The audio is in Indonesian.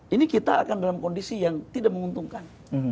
ini kita akan dalam kondisi yang tidak menguntungkan